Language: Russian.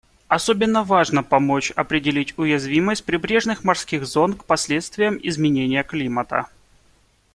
Особенно важно помочь определить уязвимость прибрежных морских зон к последствиям изменения климата.